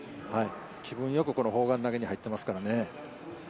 気分よくこの砲丸投に入ってますからね。